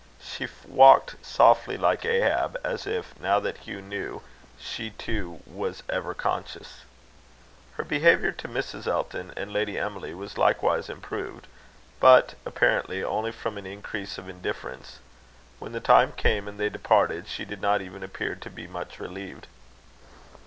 She walked softly like Ahab, as if, now that Hugh knew, she, too, was ever conscious. Her behaviour to Mrs. Elton and Lady Emily was likewise improved, but apparently only from an increase of indifference. When the time came, and they departed, she did not even appear to be much relieved.